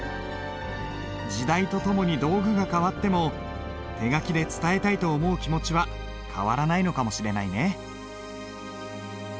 時代とともに道具が変わっても手書きで伝えたいと思う気持ちは変わらないのかもしれないね。